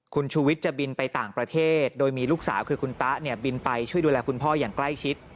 คุณชูวิทย์จะบินไปต่างประเทศโดยมีลูกสาวคือคุณตะเนี่ยบินไปช่วยดูแลคุณพ่ออย่างใกล้ชิด